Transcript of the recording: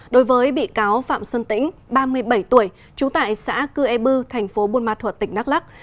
đối với bị cáo phạm xuân tĩnh ba mươi bảy tuổi trú tại xã cư ê bư thành phố buôn ma thuật tỉnh đắk lắc